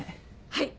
はい。